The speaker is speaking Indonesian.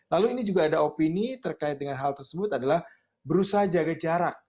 lalu ini juga ada opini terkait dengan hal tersebut adalah berusaha jaga jarak